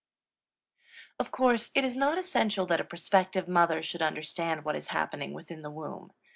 Of course it is not essential that a prospective mother should understand what is happening within the womb.